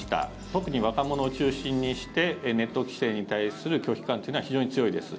特に若者を中心にしてネット規制に対する拒否感というのは非常に強いです。